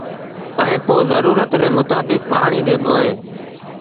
ائيٚݩ پو زرورت ري متآبڪ پآڻيٚ ڏبو اهي